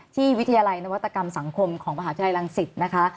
วิทยาลัยนวัตกรรมสังคมของมหาวิทยาลัยรังสิตนะคะ